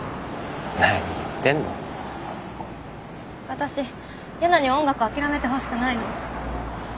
私ヤナに音楽諦めてほしくないの。